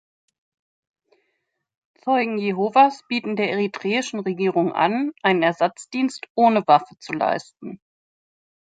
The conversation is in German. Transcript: Zeugen Jehovas bieten der eritreischen Regierung an, einen Ersatzdienst ohne Waffe zu leisten.